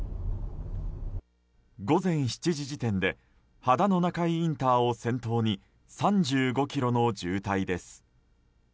午前７時時点で秦野中井インターを先頭に３５ｋｍの渋滞です。